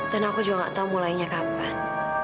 dan aku juga gak tau mulainya kapan